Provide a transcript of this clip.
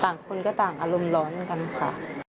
ต่างคนก็ต่างอารมณ์ร้อนเหมือนกันค่ะ